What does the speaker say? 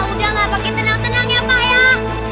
udah nggak pakai tenang tenang ya pak